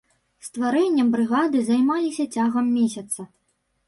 Стварэннем брыгады займаліся цягам месяца.